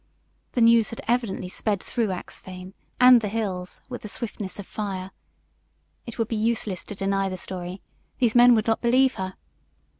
The news had evidently sped through Axphain and the hills with the swiftness of fire. It would be useless to deny the story; these men would not believe her.